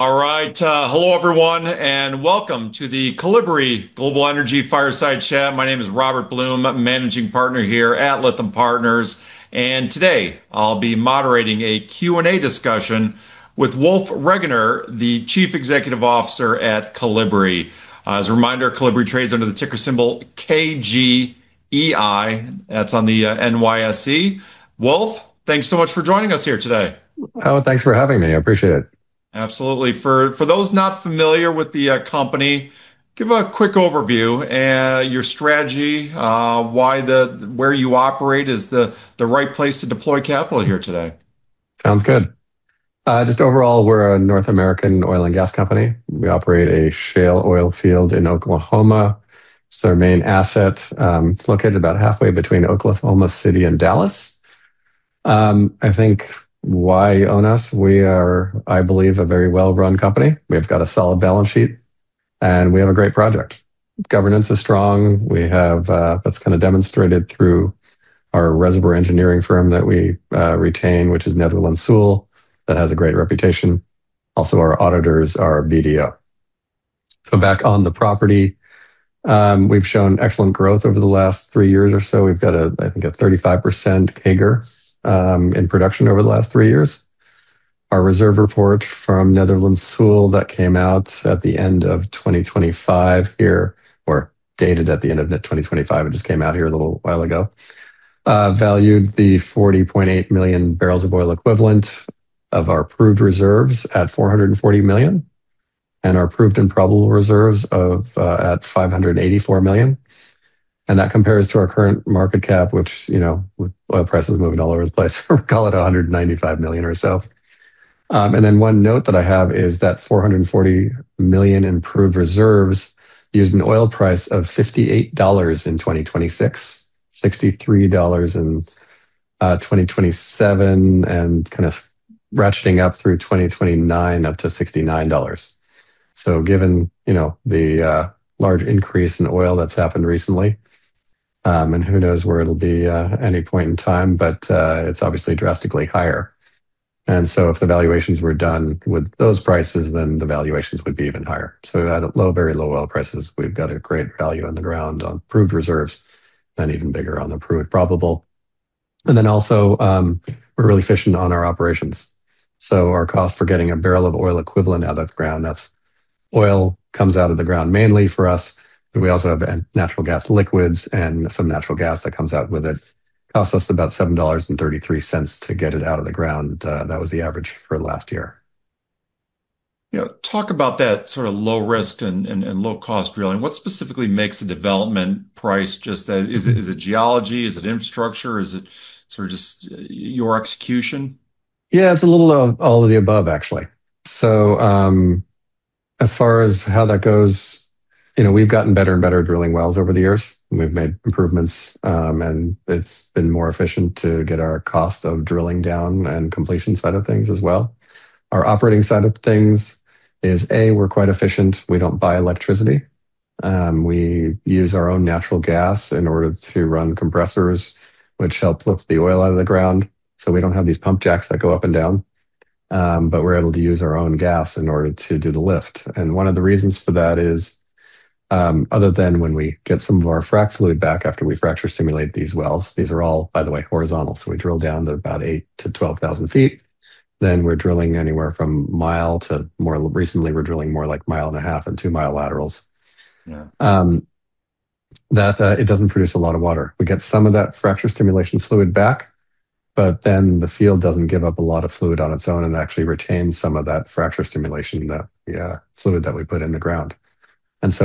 All right. Hello everyone, and welcome to the Kolibri Global Energy Fireside Chat. My name is Robert Blum. I'm Managing Partner here at Lytham Partners. Today, I'll be moderating a Q&A discussion with Wolf Regener, the Chief Executive Officer at Kolibri. As a reminder, Kolibri trades under the ticker symbol KGEI. That's on the NYSE. Wolf, thanks so much for joining us here today. Oh, thanks for having me. I appreciate it. Absolutely. For those not familiar with the company, give a quick overview. Your strategy, where you operate is the right place to deploy capital here today. Sounds good. Just overall, we're a North American oil and gas company. We operate a shale oil field in Oklahoma. It's our main asset. It's located about halfway between Oklahoma City and Dallas. I think why own us? We are, I believe, a very well-run company. We've got a solid balance sheet, and we have a great project. Governance is strong. That's kinda demonstrated through our reservoir engineering firm that we retain, which is Netherland, Sewell. That has a great reputation. Also, our auditors are BDO. Back on the property, we've shown excellent growth over the last three years or so. We've got, I think, a 35% CAGR in production over the last three years. Our reserve report from Netherland, Sewell that came out at the end of 2025 here, or dated at the end of 2025, it just came out here a little while ago, valued the 40.8 million barrels of oil equivalent of our proved reserves at $440 million and our proved and probable reserves of at $584 million. That compares to our current market cap, which, you know, with oil prices moving all over the place, we'll call it $195 million or so. One note that I have is that $440 million in proved reserves used an oil price of $58 in 2026, $63 in 2027, and kind of ratcheting up through 2029 up to $69. Given you know the large increase in oil that's happened recently, and who knows where it'll be any point in time. But it's obviously drastically higher. If the valuations were done with those prices, then the valuations would be even higher. At low, very low oil prices, we've got a great value on the ground on proved reserves, and even bigger on the proved probable. Then also, we're really efficient on our operations. Our cost for getting a barrel of oil equivalent out of the ground, that's oil comes out of the ground mainly for us, but we also have natural gas liquids and some natural gas that comes out with it, costs us about $7.33 to get it out of the ground. That was the average for last year. You know, talk about that sort of low risk and low cost drilling. What specifically makes a development price just that? Is it geology? Is it infrastructure? Is it sort of just your execution? Yeah. It's a little of all of the above, actually. As far as how that goes, you know, we've gotten better and better at drilling wells over the years, and we've made improvements, and it's been more efficient to get our cost of drilling down and completion side of things as well. Our operating side of things is a, we're quite efficient. We don't buy electricity. We use our own natural gas in order to run compressors, which help lift the oil out of the ground. So we don't have these pump jacks that go up and down. We're able to use our own gas in order to do the lift. One of the reasons for that is, other than when we get some of our frack fluid back after we fracture stimulation these wells, these are all, by the way, horizontal, so we drill down to about 8,000 ft-12,000 ft, then we're drilling anywhere from 1 mi to more. Recently, we're drilling more like 1.5-mi and 2-mi laterals. Yeah. It doesn't produce a lot of water. We get some of that fracture stimulation fluid back, but then the field doesn't give up a lot of fluid on its own and actually retains some of that fracture stimulation fluid that we put in the ground.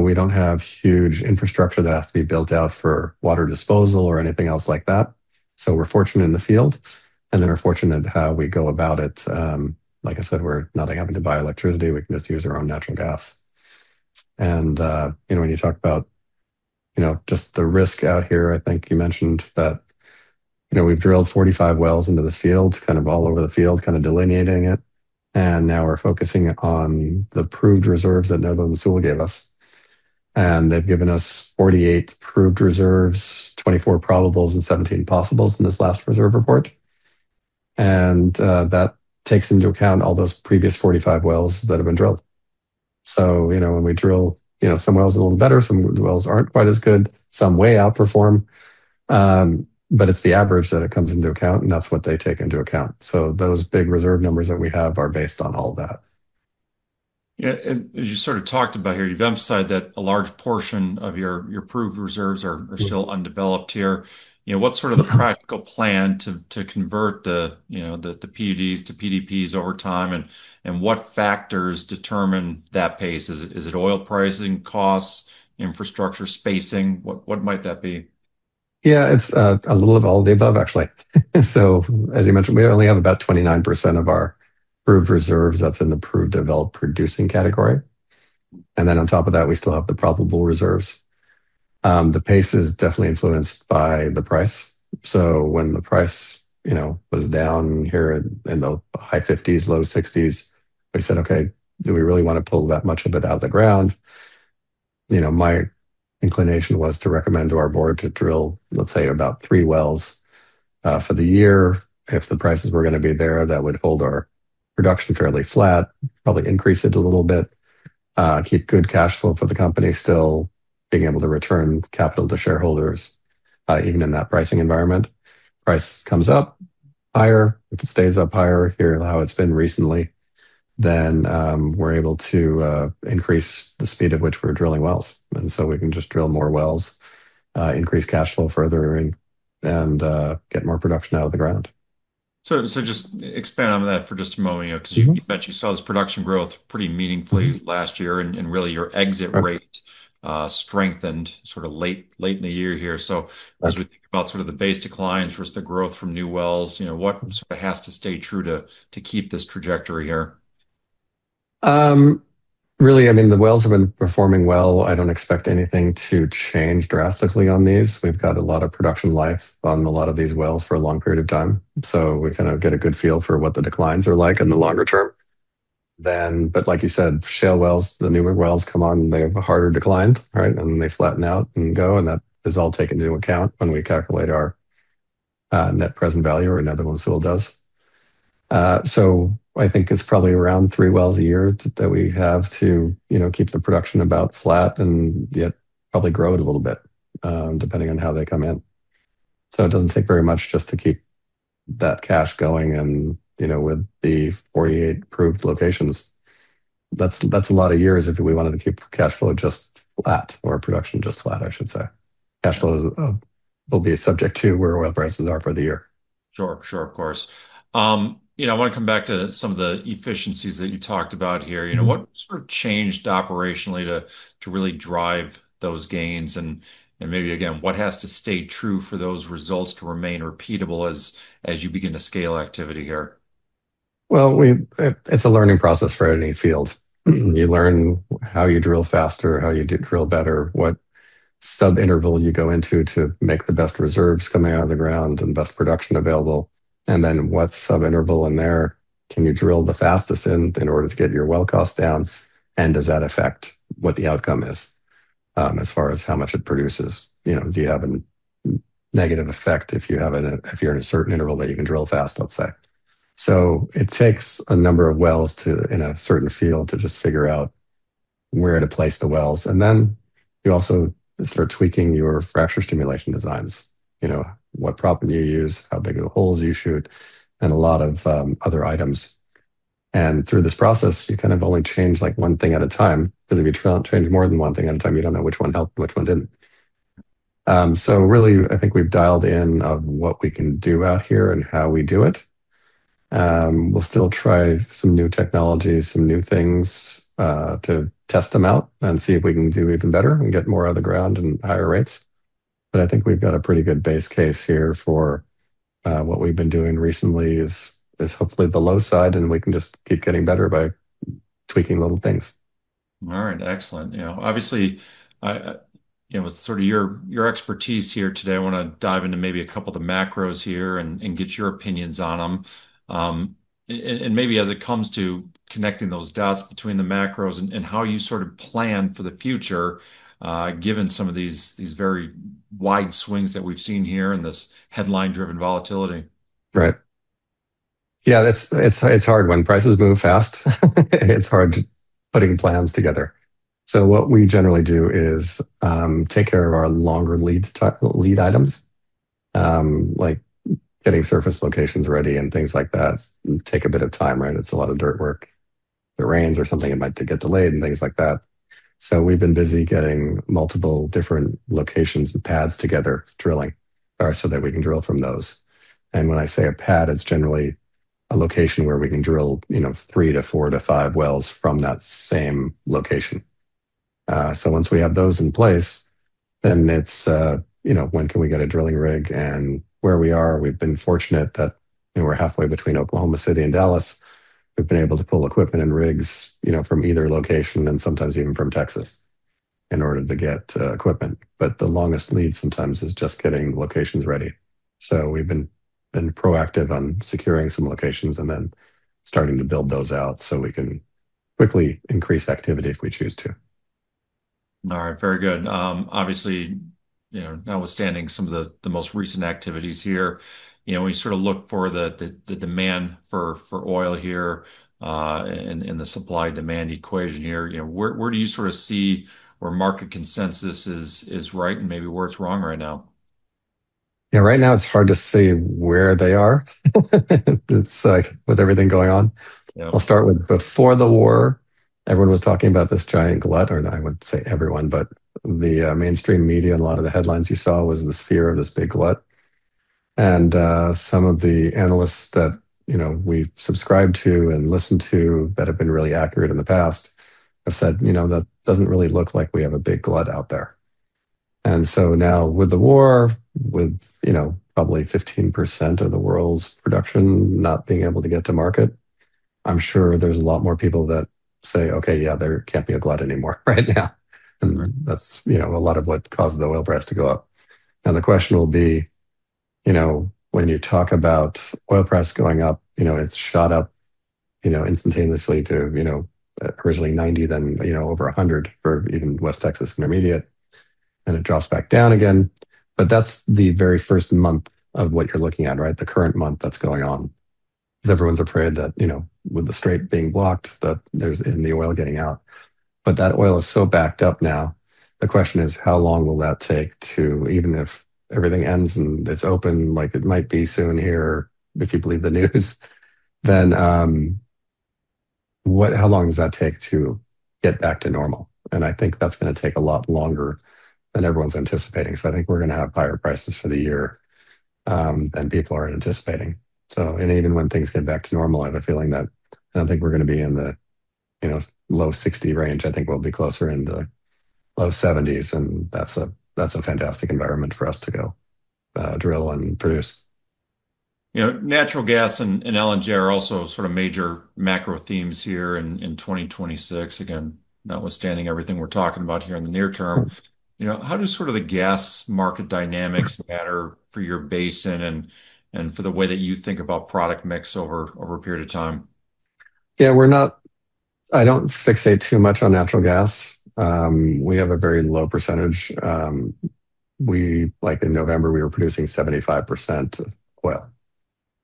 We don't have huge infrastructure that has to be built out for water disposal or anything else like that. We're fortunate in the field, and then we're fortunate how we go about it. Like I said, we're not having to buy electricity. We can just use our own natural gas. You know, when you talk about, you know, just the risk out here, I think you mentioned that, you know, we've drilled 45 wells into this field, kind of all over the field, kind of delineating it, and now we're focusing on the proved reserves that Netherland, Sewell gave us. They've given us 48 proved reserves, 24 probables, and 17 possibles in this last reserve report. That takes into account all those previous 45 wells that have been drilled. You know, when we drill, you know, some wells are a little better, some wells aren't quite as good, some way outperform, but it's the average that it comes into account, and that's what they take into account. Those big reserve numbers that we have are based on all that. Yeah. As you sort of talked about here, you've emphasized that a large portion of your proved reserves are still undeveloped here. You know, what's sort of the practical plan to convert the, you know, the PUDs to PDPs over time, and what factors determine that pace? Is it oil pricing costs, infrastructure spacing? What might that be? Yeah. It's a little of all the above, actually. As you mentioned, we only have about 29% of our proved reserves that's in the proved developed producing category. Then on top of that, we still have the probable reserves. The pace is definitely influenced by the price. When the price, you know, was down here in the high $50s, low $60s, we said, "Okay, do we really wanna pull that much of it out of the ground?" You know, my inclination was to recommend to our board to drill, let's say, about three wells for the year. If the prices were gonna be there, that would hold our production fairly flat, probably increase it a little bit, keep good cash flow for the company still, being able to return capital to shareholders, even in that pricing environment. Price comes up higher, if it stays up higher here how it's been recently, then we're able to increase the speed at which we're drilling wells. We can just drill more wells, increase cash flow further and get more production out of the ground. Just expand on that for just a moment, you know. Mm-hmm 'Cause you bet you saw this production growth pretty meaningfully last year, and really your exit rate- Right Strengthened sort of late in the year here. Right As we think about sort of the base declines versus the growth from new wells, you know, what sort of has to stay true to keep this trajectory here? Really, I mean, the wells have been performing well. I don't expect anything to change drastically on these. We've got a lot of production life on a lot of these wells for a long period of time, so we kind of get a good feel for what the declines are like in the longer term. Like you said, shale wells, the newer wells come on, they have a harder decline, right? They flatten out and go, and that is all taken into account when we calculate our net present value or another one still does. I think it's probably around three wells a year that we have to, you know, keep the production about flat and yet probably grow it a little bit, depending on how they come in. It doesn't take very much just to keep that cash going and, you know, with the 48 proved locations, that's a lot of years if we wanted to keep cash flow just flat or production just flat, I should say. Cash flow is, will be subject to where oil prices are for the year. Sure. Of course. You know, I wanna come back to some of the efficiencies that you talked about here. Mm-hmm. You know, what sort of changed operationally to really drive those gains and maybe again, what has to stay true for those results to remain repeatable as you begin to scale activity here? Well, it's a learning process for any field. You learn how you drill faster, how you do drill better, what sub-interval you go into to make the best reserves coming out of the ground and best production available. Then what sub-interval in there can you drill the fastest in order to get your well cost down, and does that affect what the outcome is, as far as how much it produces? You know, do you have a negative effect if you're in a certain interval that you can drill fast, let's say. It takes a number of wells to, in a certain field, to just figure out where to place the wells. Then you also start tweaking your fracture stimulation designs. You know, what proppant you use, how big are the holes you shoot, and a lot of other items. Through this process, you kind of only change like one thing at a time, 'cause if you change more than one thing at a time, you don't know which one helped, which one didn't. So really, I think we've dialed in on what we can do out here and how we do it. We'll still try some new technologies, some new things to test them out and see if we can do even better and get more out of the ground and higher rates. I think we've got a pretty good base case here for what we've been doing recently is hopefully the low side, and we can just keep getting better by tweaking little things. All right. Excellent. You know, obviously, you know, with sort of your expertise here today, I wanna dive into maybe a couple of the macros here and get your opinions on them. Maybe as it comes to connecting those dots between the macros and how you sort of plan for the future, given some of these very wide swings that we've seen here and this headline-driven volatility. Right. Yeah. It's hard when prices move fast. It's hard putting plans together. What we generally do is take care of our longer lead items, like getting surface locations ready and things like that take a bit of time, right? It's a lot of dirt work. If it rains or something, it might get delayed and things like that. We've been busy getting multiple different locations and pads together for drilling or so that we can drill from those. When I say a pad, it's generally a location where we can drill, you know, three to four to five wells from that same location. Once we have those in place, then it's, you know, when can we get a drilling rig? Where we are, we've been fortunate that, you know, we're halfway between Oklahoma City and Dallas. We've been able to pull equipment and rigs, you know, from either location and sometimes even from Texas in order to get equipment. The longest lead sometimes is just getting locations ready. We've been proactive on securing some locations and then starting to build those out, so we can quickly increase activity if we choose to. All right. Very good. Obviously, you know, notwithstanding some of the most recent activities here, you know, when you sort of look for the demand for oil here, in the supply-demand equation here, you know, where do you sort of see where market consensus is right and maybe where it's wrong right now? Yeah. Right now it's hard to say where they are. It's like with everything going on. Yeah. I'll start with before the war, everyone was talking about this giant glut, or I wouldn't say everyone, but the mainstream media and a lot of the headlines you saw was this fear of this big glut. Some of the analysts that, you know, we've subscribed to and listened to that have been really accurate in the past have said, "You know, that doesn't really look like we have a big glut out there." Now with the war, with, you know, probably 15% of the world's production not being able to get to market, I'm sure there's a lot more people that say, "Okay. Yeah. There can't be a glut anymore right now." That's, you know, a lot of what caused the oil price to go up. You know, when you talk about oil price going up, you know, it's shot up, you know, instantaneously to, you know, originally $90, then, you know, over $100 for even West Texas Intermediate, then it drops back down again. That's the very first month of what you're looking at, right? The current month that's going on. 'Cause everyone's afraid that, you know, with the Strait being blocked that there isn't any oil getting out. But that oil is so backed up now, the question is how long will that take to get back to normal even if everything ends and it's open like it might be soon here, if you believe the news, then how long does that take to get back to normal? I think that's gonna take a lot longer than everyone's anticipating. I think we're gonna have higher prices for the year than people are anticipating. Even when things get back to normal, I have a feeling that I don't think we're gonna be in the, you know, low $60 range. I think we'll be closer in the low $70s, and that's a fantastic environment for us to go drill and produce. You know, natural gas and LNG are also sort of major macro themes here in 2026. Again, notwithstanding everything we're talking about here in the near term. You know, how do sort of the gas market dynamics matter for your basin and for the way that you think about product mix over a period of time? I don't fixate too much on natural gas. We have a very low percentage. Like in November, we were producing 75% oil.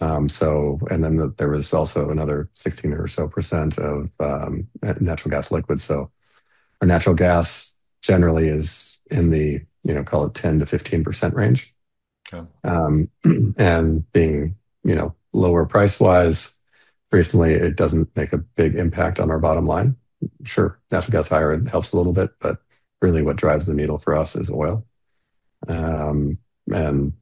There was also another 16% or so of natural gas liquids. Our natural gas generally is in the, you know, call it 10%-15% range. Okay. Being, you know, lower price-wise recently, it doesn't make a big impact on our bottom line. Sure, natural gas higher, it helps a little bit, but really what drives the needle for us is oil. Oil and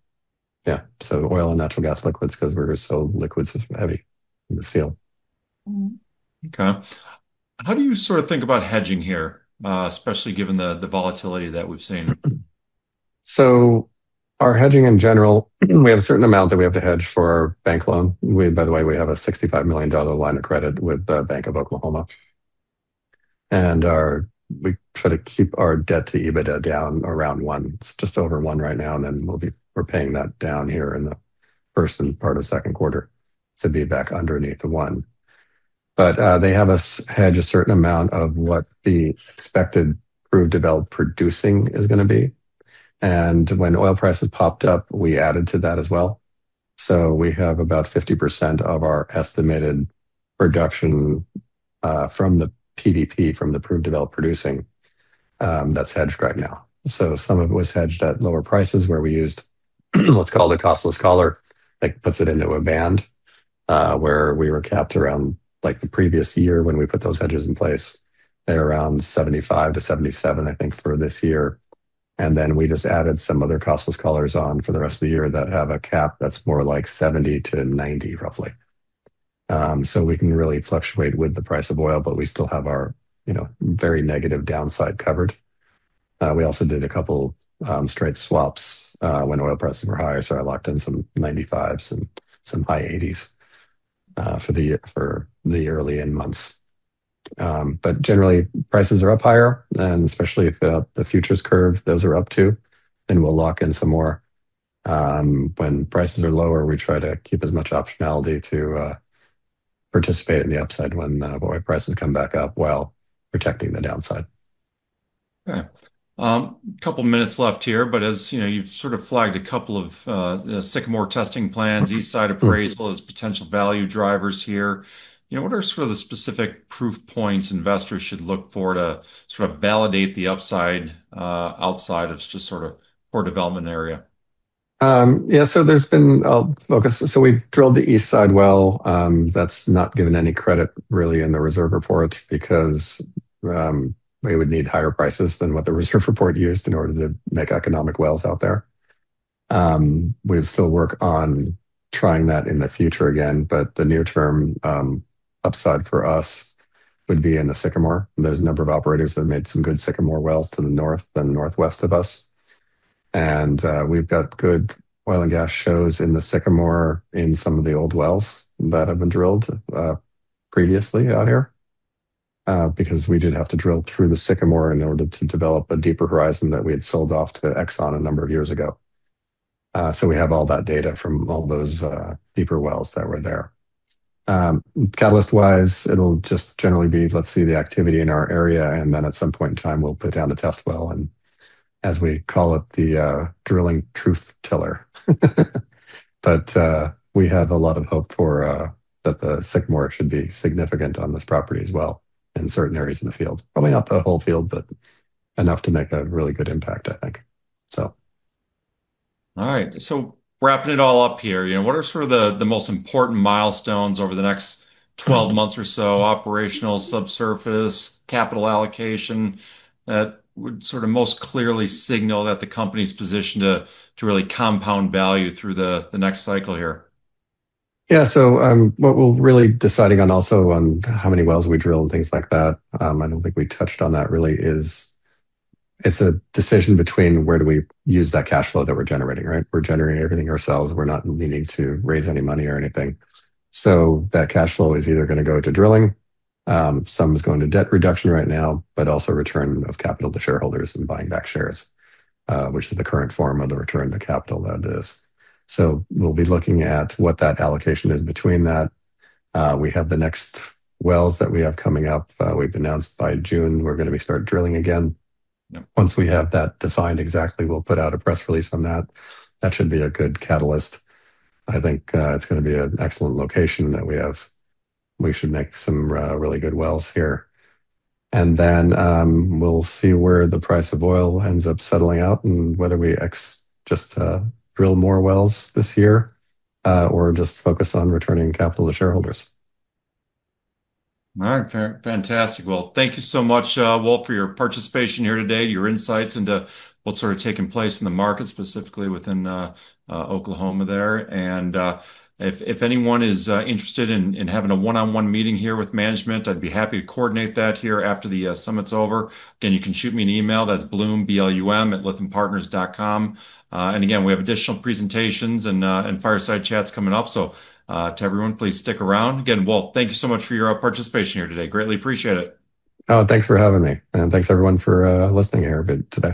natural gas liquids 'cause we're so liquids heavy in this field. Okay. How do you sort of think about hedging here, especially given the volatility that we've seen? Our hedging in general, we have a certain amount that we have to hedge for our bank loan. By the way, we have a $65 million line of credit with the Bank of Oklahoma. We try to keep our debt to EBITDA down around 1%. It's just over 1% right now, and we're paying that down here in the first and part of second quarter to be back underneath the 1%. They have us hedge a certain amount of what the expected Proved Developed Producing is gonna be. When oil prices popped up, we added to that as well. We have about 50% of our estimated production from the PDP, from the Proved Developed Producing that's hedged right now. Some of it was hedged at lower prices where we used what's called a costless collar, like, puts it into a band, where we were capped around, like, the previous year when we put those hedges in place at around $75-$77, I think, for this year. We just added some other costless collars on for the rest of the year that have a cap that's more like $70-$90, roughly. We can really fluctuate with the price of oil, but we still have our, you know, very negative downside covered. We also did a couple, straight swaps, when oil prices were higher, so I locked in some $95 and some high $80s, for the, for the early end months. Generally prices are up higher, and especially if the futures curve, those are up too, then we'll lock in some more. When prices are lower, we try to keep as much optionality to participate in the upside when oil prices come back up while protecting the downside. Okay. Couple minutes left here, but as, you know, you've sort of flagged a couple of Sycamore testing plans, East Side appraisal as potential value drivers here. You know, what are sort of the specific proof points investors should look for to sort of validate the upside outside of just sort of core development area? There's been a focus. We've drilled the East Side well. That's not given any credit really in the reserve report because we would need higher prices than what the reserve report used in order to make economic wells out there. We'd still work on trying that in the future again, but the near term upside for us would be in the Sycamore. There's a number of operators that have made some good Sycamore wells to the north and northwest of us. We've got good oil and gas shows in the Sycamore in some of the old wells that have been drilled previously out here because we did have to drill through the Sycamore in order to develop a deeper horizon that we had sold off to Exxon a number of years ago. We have all that data from all those deeper wells that were there. Catalyst-wise, it'll just generally be, let's see the activity in our area, and then at some point in time we'll put down the test well and as we call it, the drilling truth teller. We have a lot of hope for that the Sycamore should be significant on this property as well in certain areas in the field. Probably not the whole field, but enough to make a really good impact, I think. All right. Wrapping it all up here, you know, what are sort of the most important milestones over the next 12 months or so, operational, subsurface, capital allocation, that would sort of most clearly signal that the company's positioned to really compound value through the next cycle here? Yeah, what we're really deciding on also on how many wells we drill and things like that, I don't think we touched on that really, is it's a decision between where do we use that cash flow that we're generating, right? We're generating everything ourselves. We're not needing to raise any money or anything. That cash flow is either gonna go to drilling, some is going to debt reduction right now, but also return of capital to shareholders and buying back shares, which is the current form of the return to capital that is. We'll be looking at what that allocation is between that. We have the next wells that we have coming up. We've announced by June we're gonna be start drilling again. Yep. Once we have that defined exactly, we'll put out a press release on that. That should be a good catalyst. I think, it's gonna be an excellent location that we have. We should make some really good wells here. We'll see where the price of oil ends up settling out and whether we just drill more wells this year, or just focus on returning capital to shareholders. All right. Fantastic. Well, thank you so much, Wolf, for your participation here today, your insights into what's sort of taking place in the market, specifically within Oklahoma there. If anyone is interested in having a one-on-one meeting here with management, I'd be happy to coordinate that here after the summit's over. Again, you can shoot me an email. That's blum, B-L-U-M@lythampartners.com. Again, we have additional presentations and fireside chats coming up, so to everyone, please stick around. Again, Wolf, thank you so much for your participation here today. Greatly appreciate it. Oh, thanks for having me, and thanks everyone for listening here today.